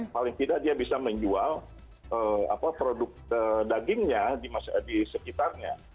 paling tidak dia bisa menjual produk dagingnya di sekitarnya